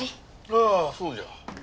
ああそうじゃ